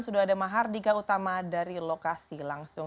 sudah ada mahardika utama dari lokasi langsung